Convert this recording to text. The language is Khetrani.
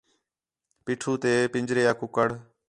پیٹھو تے پھنجرے آ کُکڑ